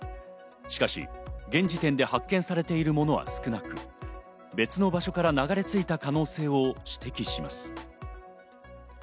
しかし現時点で発見されているものは少なく別の場所から流れついた可能性を指摘します。